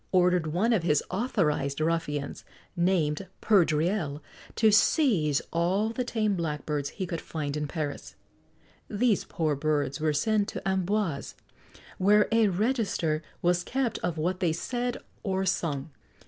ordered one of his authorised ruffians, named Perdriel, to seize all the tame blackbirds he could find in Paris. These poor birds were sent to Amboise, where a register was kept of what they said or sung.